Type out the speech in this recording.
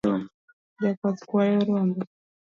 Jakwath kwayo rombe